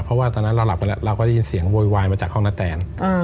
เพราะว่าตอนนั้นเราหลับไปแล้วเราก็ได้ยินเสียงโวยวายมาจากห้องนาแตน